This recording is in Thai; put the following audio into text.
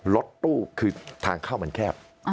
รถตู้คือทางเข้ามันแคบ